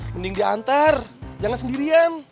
mending diantar jangan sendirian